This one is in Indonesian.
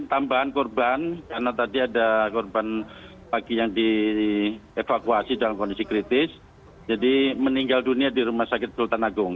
tambahan korban karena tadi ada korban pagi yang dievakuasi dalam kondisi kritis jadi meninggal dunia di rumah sakit tultan agung